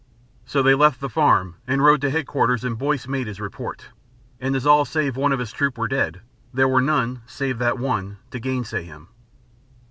So they left the farm and rode to Headquarters and Boyce made his report, and as all save one of his troop were dead, there were none, save that one, to gainsay him.